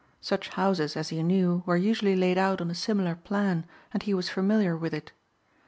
Such houses, as he knew, were usually laid out on a similar plan and he was familiar with it.